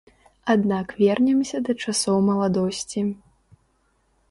Аднак вернемся да часоў маладосці.